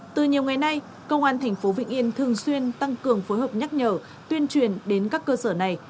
từ nhiều ngày nay công an tp vĩnh yên thường xuyên tăng cường phối hợp nhắc nhở tuyên truyền đến các cơ sở này